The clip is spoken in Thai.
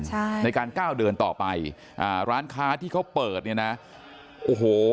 ใช่ในการก้าวเดินต่อไปอ่าร้านค้าที่เขาเปิดเนี่ยนะโอ้โห